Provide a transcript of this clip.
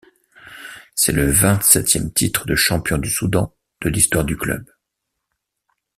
C'est le vingt septième titre de champion du Soudan de l'histoire du club.